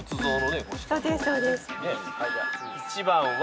１番は。